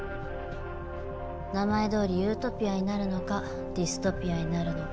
名前どおりユートピアになるのかディストピアになるのか。